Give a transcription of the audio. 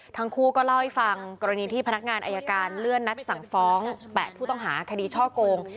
ทั้งคู่ก็เล่าให้ฟังกรณีที่พนักงานอายการเลื่อนนัดสั่งฟ้อง๘ผู้ต้องหาคดีช่อโกง